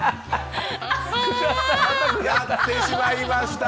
やってしまいました！